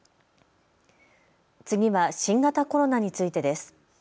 次は新型コロナについてです。